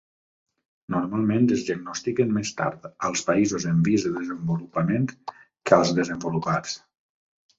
Normalment, es diagnostiquen més tard als països en vies de desenvolupament que als desenvolupats.